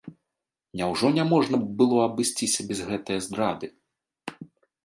Няўжо няможна б было абысціся без гэтае здрады?